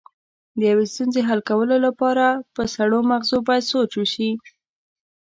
د یوې ستونزې حل کولو لپاره په سړو مغزو باید سوچ وشي.